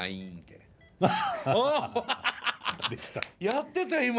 やってた今！